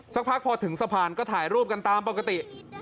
สักพักพอถึงสะพานก็ถ่ายรูปกันตามปกติ